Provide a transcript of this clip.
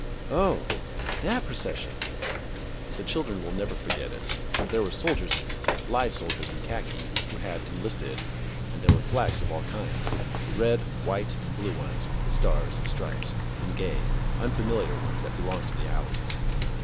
Oh! That procession! The children will never forget it, for there were soldiers in it, live soldiers in khaki, who had enlisted, and there were flags of all kinds: red, white, and blue ones with the stars and stripes, and gay, unfamiliar ones that belonged to the Allies.